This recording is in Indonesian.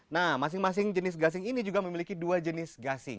nah masing masing jenis gasing ini juga memiliki dua jenis gasing